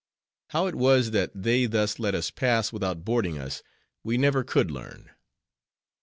How it was that they thus let us pass without boarding us, we never could learn.